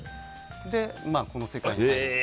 で、この世界に。